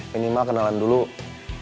minimal kena latihan